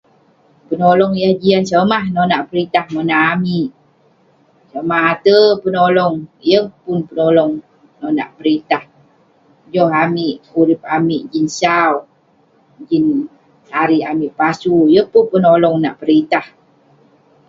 Penolong yah jiak somah nak peritah monak amik somah ate penolong yeng pun penolong nonak peritah joh amik urip amik jin sau jin tarik amik pasu yeng pun penolong nak peritah